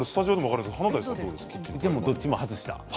うちも、どっちも外した。